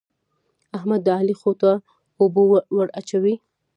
احمد د علي خوټو ته اوبه ور اچوي.